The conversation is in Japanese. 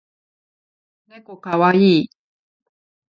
ねこかわいい